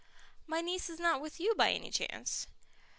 "My niece is not with you by any chance?"